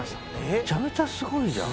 めちゃめちゃすごいじゃん。